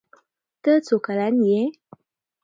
ته څو کلن يي